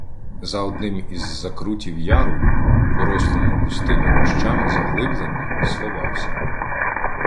За одним із закрутів яру, в порослому густими кущами заглибленні, сховався.